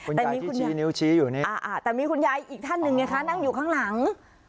แต่มีคุณยายมีนิ้วชี้อยู่นี่แต่มีคุณยายอีกท่านหนึ่งไงคะนั่งอยู่ข้างหลัง